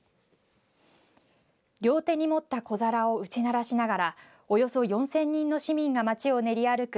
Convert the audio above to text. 両手に持った小皿を打ち鳴らしながらおよそ４０００人の市民が街を練り歩く